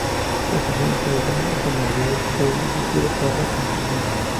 Las elecciones se desarrollaron con normalidad resultando elegido Parra como presidente.